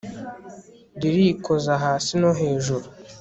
ririkoza hasi no hejuru